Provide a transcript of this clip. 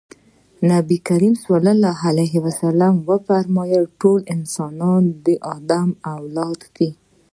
نبي کريم ص وفرمايل ټول انسانان د ادم اولاده دي.